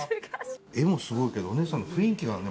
絵もすごいけどお姉さん雰囲気があるね